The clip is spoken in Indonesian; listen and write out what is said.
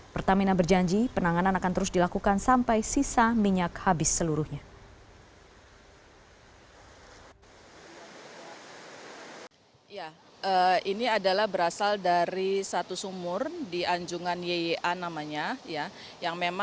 pertamina berjanji penanganan akan terus dilakukan sampai sisa minyak habis seluruhnya